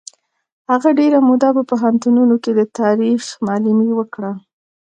هغه ډېره موده په پوهنتونونو کې د تاریخ معلمي وکړه.